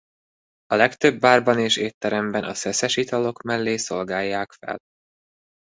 A legtöbb bárban és étteremben a szeszes italok mellé szolgálják fel.